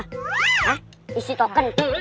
hah isi token